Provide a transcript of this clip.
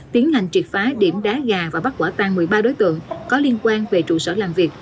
tiến hành triệt phá điểm đá gà và bắt quả tan một mươi ba đối tượng có liên quan về trụ sở làm việc